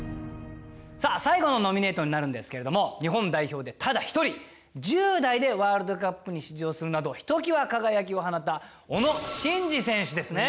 さあ最後のノミネートになるんですけれども日本代表でただ一人１０代でワールドカップに出場するなどひときわ輝きを放った小野伸二選手ですね。